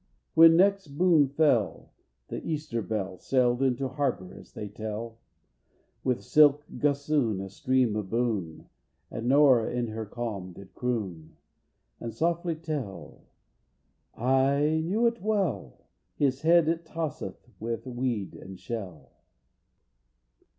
VII. When next moon fell, the Easter Bell Sailed into harbor, as they tell, With silk "gossoon" astream aboon And Nora in her calm did croon, And softly tell: "I knew it well, His head it tosseth with weed and shell."